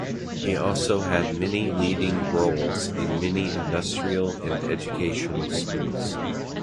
He also had leading roles in many industrial and educational schools.